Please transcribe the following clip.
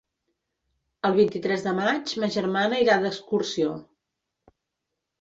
El vint-i-tres de maig ma germana irà d'excursió.